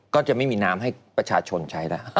ก็จะมีน้ำให้ประชาชนใช้แล้ว